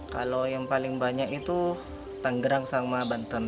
kalau yang paling banyak itu tanggerang sama banten